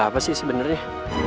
ada apa sih sebenernya